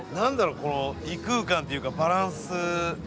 この異空間というかバランス。